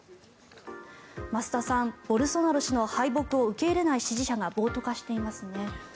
増田さん、ボルソナロ氏の敗北を受け入れない支持者が暴徒化していますね。